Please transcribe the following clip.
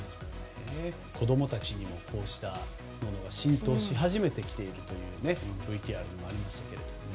子供たちにもこうしたものが浸透し始めてきているというＶＴＲにもありましたね。